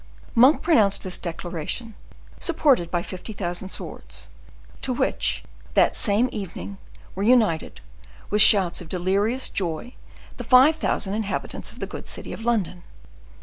Monk pronounced this declaration, supported by fifty thousand swords, to which, that same evening, were united, with shouts of delirious joy, the five thousand inhabitants of the good city of London.